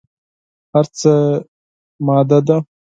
هر څه ماده ده.